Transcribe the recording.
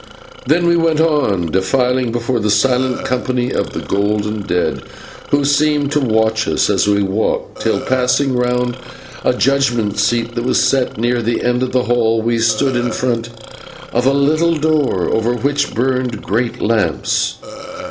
Then we went on defiling before the silent company of the golden dead, who seemed to watch us as we walked, till, passing round a judgment seat that was set near the end of the hall, we stood in front of a little door over which burned great lamps.